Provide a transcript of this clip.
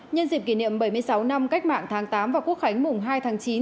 nhân dịp kỷ niệm bảy mươi sáu năm cách mạng tháng tám và quốc khánh mùng hai tháng chín